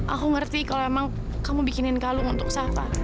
aku ngerti kalau emang kamu bikinin kalung untuk sapa